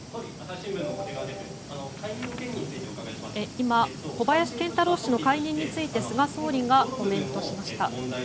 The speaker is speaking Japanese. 今、小林賢太郎氏の解任について菅総理がコメントしました。